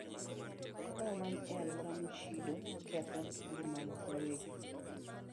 Ka wan e alwora mochido, waketho ngimawa wawegi.